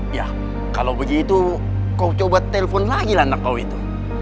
iya kalau begitu kau coba telpon lagi anak kau itu